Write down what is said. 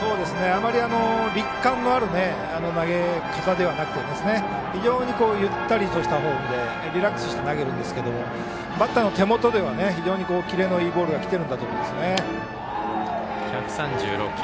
あまり力感のある投げ方ではなくて非常にゆったりとしたフォームでリラックスして投げますがバッターの手元ではキレのいいボールが来ていると思います。